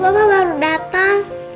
bapak baru datang